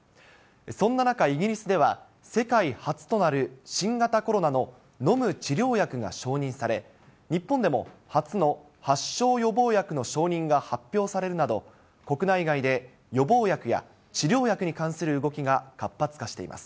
そんな中、イギリスでは、世界初となる新型コロナの飲む治療薬が承認され、日本でも初の発症予防薬の承認が発表されるなど、国内外で予防薬や、治療薬に関する動きが活発化しています。